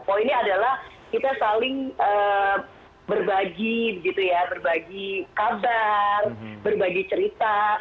poinnya adalah kita saling berbagi berbagi kabar berbagi cerita